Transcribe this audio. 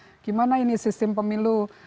terus nanya gimana ini sistem pemilu